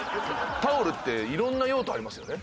タオルって色んな用途ありますよね。